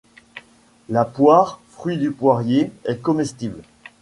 La poire, fruit du poirier, est comestible.